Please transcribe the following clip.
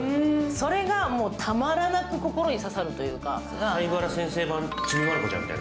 それがたまらなく心に刺さるというか。